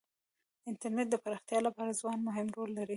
د انټرنېټ د پراختیا لپاره ځوانان مهم رول لري.